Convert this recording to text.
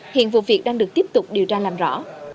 hiện vụ việc đang được tiếp tục điều tra làm rõ